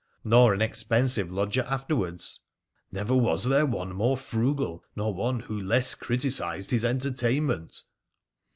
' Nor an expensive lodger afterwards ?'' Never was there one more frugal, nor one who less criticised his entertainment